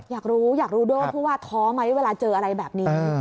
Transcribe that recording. อยากรู้อยากรู้โดผู้ว่าท้อไหมเวลาเจออะไรแบบนี้